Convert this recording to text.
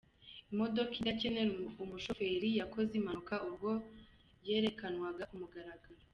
Imodoka idakenera umufoferi yakoze impanuka ubwo yerekanwaga ku mugaragaro.